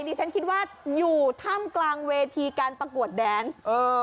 ดิฉันคิดว่าอยู่ถ้ำกลางเวทีการประกวดแดนซ์